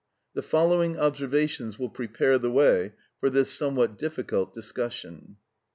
The following observations will prepare the way for this somewhat difficult discussion.